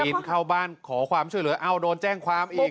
เข้าบ้านขอความช่วยเหลือเอ้าโดนแจ้งความอีก